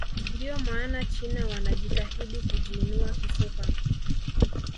ndio maana china wanajitahidi kujiinua kisoka